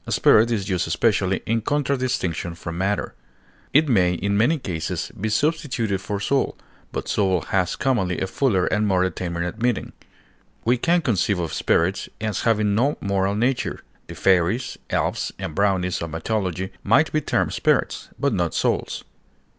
Spirit is used especially in contradistinction from matter; it may in many cases be substituted for soul, but soul has commonly a fuller and more determinate meaning; we can conceive of spirits as having no moral nature; the fairies, elves, and brownies of mythology might be termed spirits, but not souls.